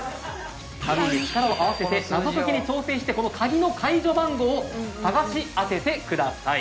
３人で力を合わせて謎解きに挑戦してこの鍵の解除番号を探し当ててください。